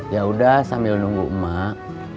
ya udah sambil nunggu emak